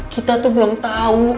kita tuh belum tau